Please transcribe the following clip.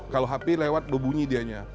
kalau hp lewat bebunyi dianya